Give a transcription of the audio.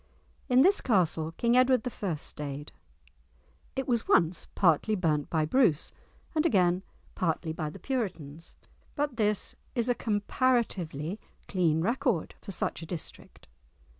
In this castle King Edward I. stayed. It was once partly burnt by Bruce, and again partly by the Puritans, but this is a comparatively clean record for such a district!